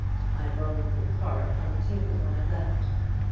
I boned the card from the table when I left.